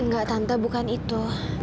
enggak tante bukan itu